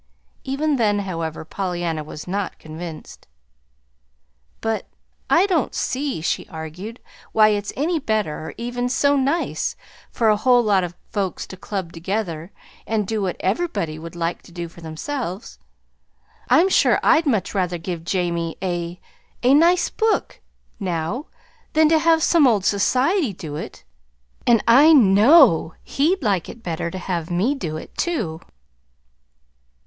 Even then, however, Pollyanna was not convinced. "But I don't see," she argued, "why it's any better, or even so nice, for a whole lot of folks to club together and do what everybody would like to do for themselves. I'm sure I'd much rather give Jamie a a nice book, now, than to have some old Society do it; and I KNOW he'd like better to have me do it, too."